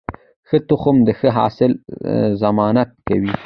ښه تخم د ښه حاصل ضمانت کوي.